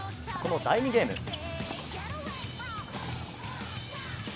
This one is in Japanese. その第２ゲーム。